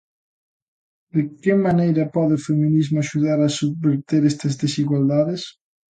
De que maneira pode o feminismo axudar a subverter estas desigualdades?